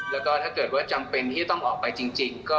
แล้วก็ถ้าเกิดว่าจำเป็นที่จะต้องออกไปจริง